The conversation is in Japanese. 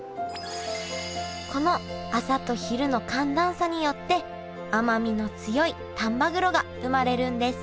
この朝と昼の寒暖差によって甘みの強い丹波黒が生まれるんです